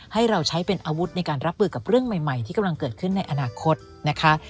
ให้เราใช้เป็นอาวุธในการรับมือกับเรื่องใหม่ที่กำลังเกิดขึ้นในอนาคตนะคะ